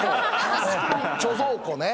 貯蔵庫ね。